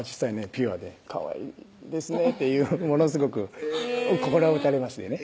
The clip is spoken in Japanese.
ピュアでかわいいですねっていうものすごく心を打たれましてね